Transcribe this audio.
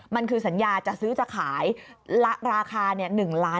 มันคือสัญญาจะซื้อจะขายราคาเนี่ย๑๙๐๐๐๐๐บาท